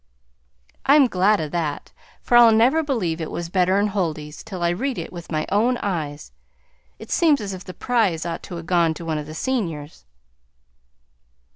"I'm glad o' that, for I'll never believe it was better 'n Huldy's till I read it with my own eyes; it seems as if the prize ought to 'a' gone to one of the seniors."